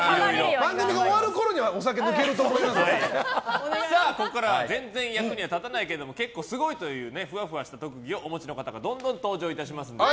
番組が終わるころにはここからは全然役には立たないけど結構すごいというふわふわした特技をお持ちの方がどんどん登場いたします。